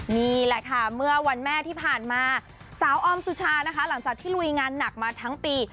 นี่แหละค่ะเมื่อวันแม่ที่ผ่านมาสาวออมสุชานะคะหลังจากที่ลุยงานหนักมาทั้งปี